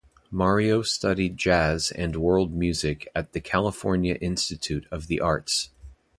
Mario studied jazz and world music at the California Institute of The Arts.